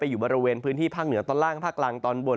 อยู่บริเวณพื้นที่ภาคเหนือตอนล่างภาคกลางตอนบน